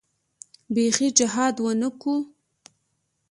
بيخي جهاد ونه کو.